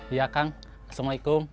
iya kang assalamualaikum